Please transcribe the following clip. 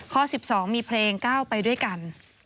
๑๒มีเพลงก้าวไปด้วยกัน